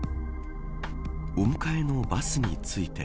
お迎えのバスについて。